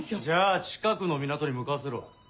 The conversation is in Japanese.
じゃあ近くの港に向かわせろ。